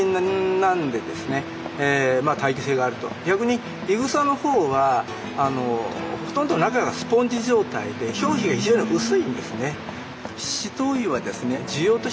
逆にイグサのほうはほとんど中がスポンジ状態で表皮が非常に薄いんですね。